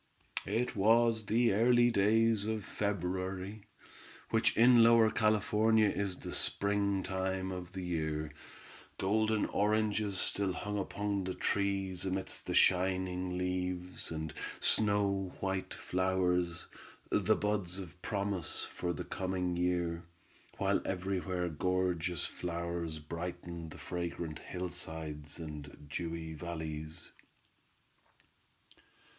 It was the early days of February, which in Lower California is the spring time of the year. Golden oranges still hung upon the trees amid the shining leaves and snow white flowers, the buds of promise for the coming year, while everywhere gorgeous flowers brightened the fragrant hillsides and dewy valleys.